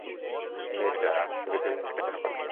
নির্জারা, শুধু দুই মিনিটের জন্য কথা শোন।